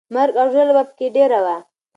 مرګ او ژوبله به پکې ډېره وي.